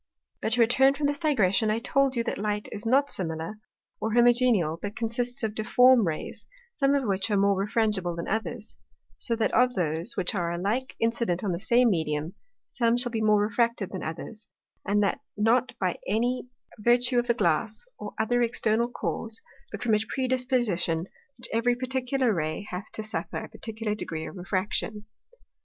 But to return from this digression, I told you, that Light is not similar, or homogeneal, but consists of difform Rays, some of which are more refrangible than others: So that of those, which are alike incident on the same Medium, some shall be more refracted than others, and that not by any virtue of the Glass, or other external Cause, but from a predisposition, which every particular Ray hath to suffer a particular degree of Refraction.